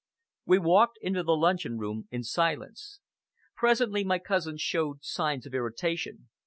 We walked into the luncheon room in silence. Presently my cousin showed signs of irritation.